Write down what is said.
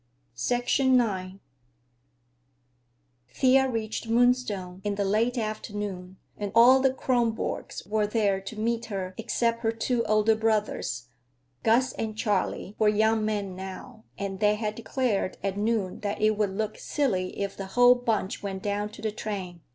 IX Thea reached Moonstone in the late afternoon, and all the Kronborgs were there to meet her except her two older brothers. Gus and Charley were young men now, and they had declared at noon that it would "look silly if the whole bunch went down to the train."